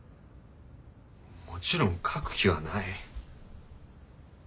もちろん書く気はない。